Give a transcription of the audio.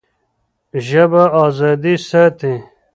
ژبه ازادي ساتي.